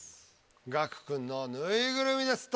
ガク君の「ぬいぐるみ」です。